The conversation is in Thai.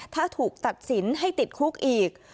ถ้าถูกตัดสินให้ติดคุกอีก